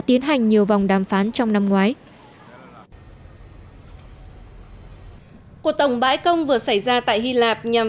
tiến hành nhiều vòng đàm phán trong năm ngoái cuộc tổng bãi công vừa xảy ra tại hy lạp nhằm